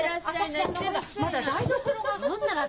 まだ台所が。